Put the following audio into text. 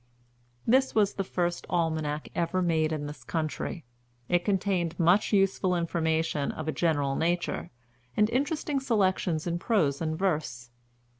This was the first Almanac ever made in this country. It contained much useful information of a general nature, and interesting selections in prose and verse.